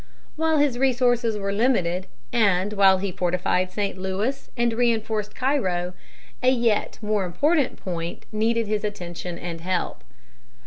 While his resources were limited, and while he fortified St. Louis and reinforced Cairo, a yet more important point needed his attention and help.